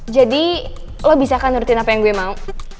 jadi lo bisa kan ngurutin apa yang gue mau